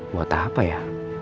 buat apa ya